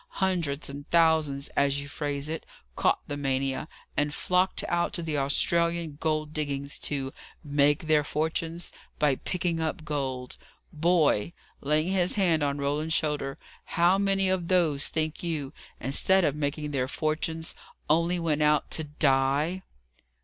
Hundreds and thousands, as you phrase it, caught the mania, and flocked out to the Australian gold diggings, to 'make their fortunes' by picking up gold. Boy!" laying his hand on Roland's shoulder "how many of those, think you, instead of making their fortunes, only went out TO DIE?"